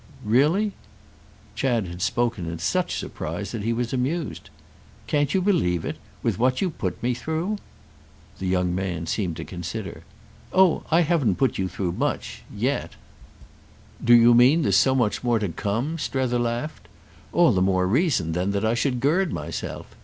"Really?" Chad had spoken in such surprise that he was amused. "Can't you believe it?—with what you put me through?" The young man seemed to consider. "Oh I haven't put you through much—yet." "Do you mean there's so much more to come?" Strether laughed. "All the more reason then that I should gird myself."